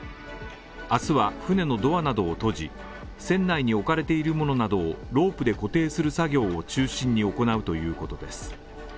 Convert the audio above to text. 明日は船のドアなどを閉じて船内に置かれているものなどをロープで固定する作業を中心に行うということです。